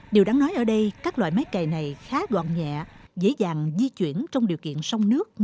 điều đáng nói ở đây các loại máy cày này khá đoạn nhẹ dễ dàng di chuyển trong điều kiện sông nước